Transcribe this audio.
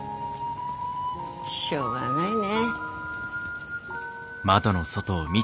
しょうがないね。